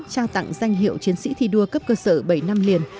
trao tặng danh hiệu chiến sĩ thi đua cấp cơ sở bảy năm liền